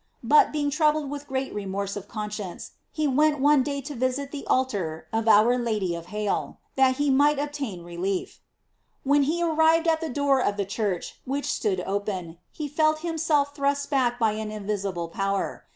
But, being troubled with great remorse of conscience, he went one day to visit the altar of Our Lady of Halle, that he might obtain re lief. When he arrived at the door of the church, which stood open, he felt himself thrust back by an invisible power.